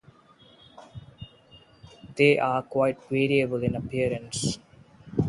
They are quite variable in appearance.